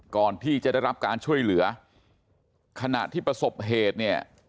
ก่อนที่จะได้รับการช่วยเหลือขณะที่ประสบเหตุเนี่ย